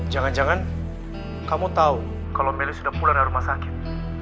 jangan jangan kamu tahu kalau meli sudah pulang dari rumah sakit